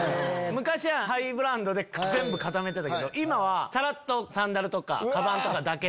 昔はハイブランドで全部固めてたけど今はさらっとサンダルとかカバンだけ。